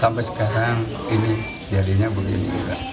sampai sekarang ini jadinya begini